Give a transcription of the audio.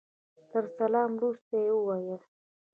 تر سلام وروسته يې وويل.